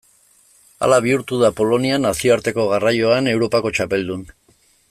Hala bihurtu da Polonia nazioarteko garraioan Europako txapeldun.